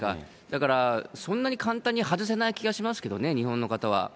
だからそんなに簡単に外せない気がしますけどね、日本の方は。